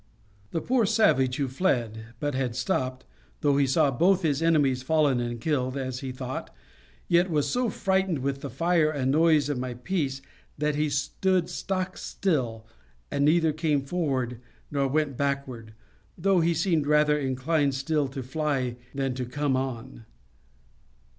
The poor savage who fled, but had stopped, though he saw both his enemies fallen and killed, as he thought, yet was so frightened with the fire and noise of my piece that he stood stock still and neither came forward nor went backward, though he seemed rather inclined still to fly than to come on.